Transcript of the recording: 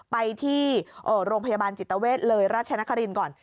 ไปที่โรงพยาบาลจิตเวทเลยราชนครินทร์ก่อน